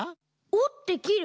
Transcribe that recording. おってきる？